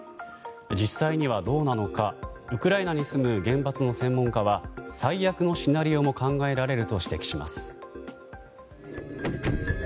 実際にはどうなのかウクライナに住む原発の専門家は最悪のシナリオも考えられると指摘します。